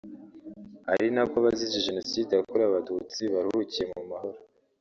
ari nako abazize Jenoside yakorewe Abatutsi baruhukiye mu mahoro